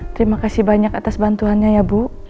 terima kasih banyak atas bantuannya ya bu